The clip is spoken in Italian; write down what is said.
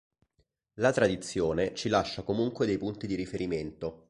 La tradizione ci lascia comunque dei punti di riferimento.